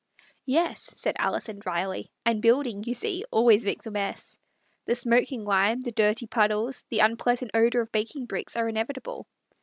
" Yes," said Alison dryly, "and building, you see, always makes a mess. The smoking lime, the dirty puddles, the unpleasant odour of baking bricks are inevitable."